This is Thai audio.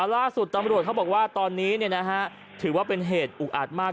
ล่าสุดตำรวจเขาบอกว่าตอนนี้ถือว่าเป็นเหตุอุกอาจมาก